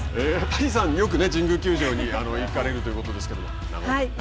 谷さん、よく神宮球場に行かれるということですけれども。